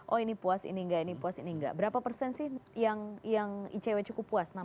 oh ini puas ini enggak ini puas ini enggak berapa persen sih yang icw cukup puas